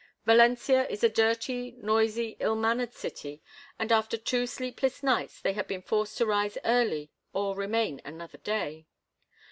Valencia is a dirty, noisy, ill mannered city, and after two sleepless nights they had been forced to rise early or remain another day.